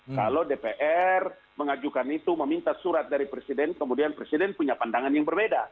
kalau dpr mengajukan itu meminta surat dari presiden kemudian presiden punya pandangan yang berbeda